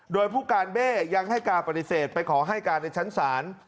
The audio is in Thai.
โดยผู้การเบ้ยังให้การปฏิเสธไปขอให้การในชั้นศาล